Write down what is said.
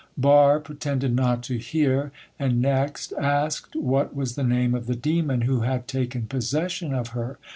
Barre pretended not to hear, and next asked what was the name of the demon who had taken possession of her.